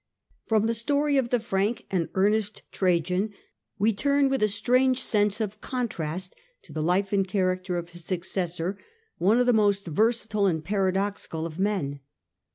From the story of the frank and earnest Trajan, we turn with a strange sense of contrast to the life and character of his successor, one of the most versatile and earlier paradoxical of men.